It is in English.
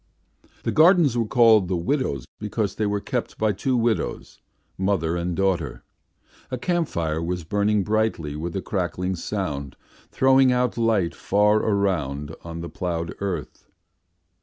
The gardens were called the widows' because they were kept by two widows, mother and daughter. A camp fire was burning brightly with a crackling sound, throwing out light far around on the ploughed earth.